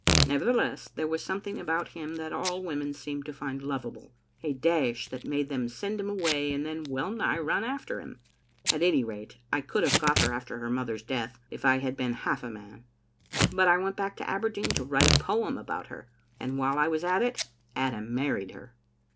Nevertheless, there was something about him that all women seemed to find lovable, a dash that made them send him away and then well nigh run after him. At any rate, I could have got her after her mother's death if I had been half a man. But I went back to Aberdeen to write a poem about her, and while I was at it Adam married her."